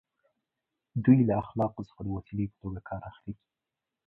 دوی له اخلاقو څخه د وسیلې په توګه کار اخلي.